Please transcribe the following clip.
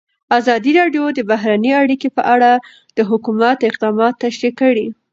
ازادي راډیو د بهرنۍ اړیکې په اړه د حکومت اقدامات تشریح کړي.